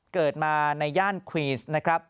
เกิดมาในย่านควีนสนะครับ